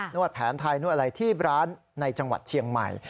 วดแผนไทยนวดอะไรที่ร้านในจังหวัดเชียงใหม่